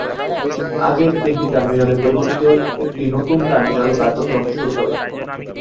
আগের তিনটি টার্মিনালের পরিবর্তে একটি নতুন টার্মিনাল কার্যক্রম শুরু করে।